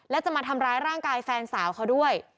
และจะมาทำร้ายร่างกายแฟนสาวเขาด้วย